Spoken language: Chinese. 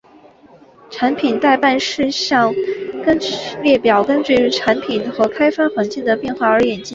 产品待办事项列表根据产品和开发环境的变化而演进。